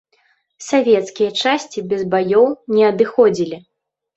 Савецкія часці без баёў не адыходзілі.